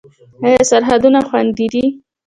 آیا سرحدونه خوندي دي؟